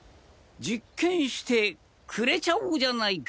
実験してくれちゃおうじゃないか！